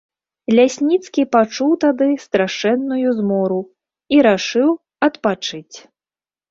Лясніцкі пачуў тады страшэнную змору і рашыў адпачыць.